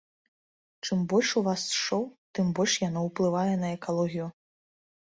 Чым больш у вас шоу, тым больш яно ўплывае на экалогію.